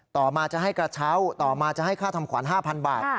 ต่อมาจะให้กระเช้าต่อมาจะให้ค่าทำขวัญ๕๐๐บาท